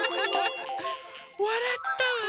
わらったわ！